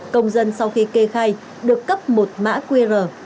công dân sau khi kê khai được cấp một mã qr